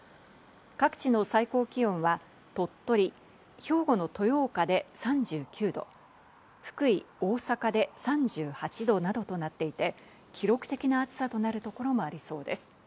各地の最高気温は鳥取、兵庫の豊岡で３９度、福井、大阪で３８度などとなっていて、記録的な暑さとなるところもありそうです。